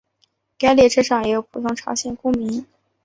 该列车上也有普通朝鲜公民。